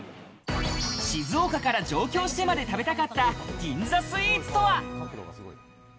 静岡から上京してまで食べたかった銀座スイーツとは？